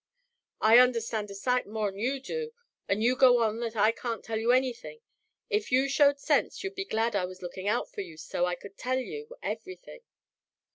"I understand a sight more'n you do, and you go on so that I can't tell you anything. If you showed sense, you'd be glad I was lookin' out for you so I could tell you everything.